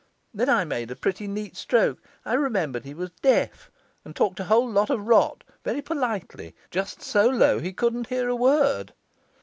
Then I made a pretty neat stroke. I remembered he was deaf, and talked a whole lot of rot, very politely, just so low he couldn't hear a word.